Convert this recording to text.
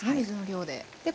水の量で。